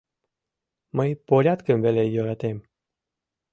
Мый порядкым веле йӧратем.